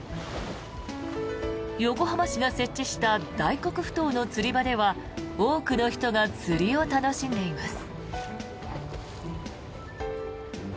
横浜市が設置した大黒ふ頭の釣り場では多くの人が釣りを楽しんでいます。